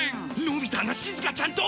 のび太がしずかちゃんと？